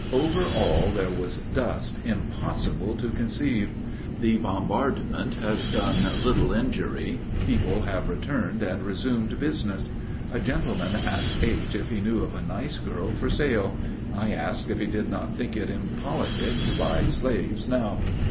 Over all there was dust impossible to conceive. The bombardment has done little injury. People have returned and resumed business. A gentleman asked H. if he knew of a nice girl for sale. I asked if he did not think it impolitic to buy slaves now.